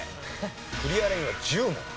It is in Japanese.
クリアラインは１０問。